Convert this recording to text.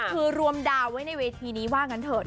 คือรวมดาวไว้ในเวทีนี้ว่างั้นเถอะ